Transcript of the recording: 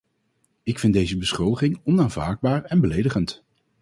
Ik vind deze beschuldiging onaanvaardbaar en beledigend.